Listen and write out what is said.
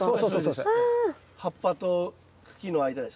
葉っぱと茎の間です。